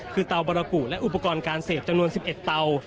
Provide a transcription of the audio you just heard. คือเตาบารกุและอุปกรณ์การเสพจำนวน๑๑เตา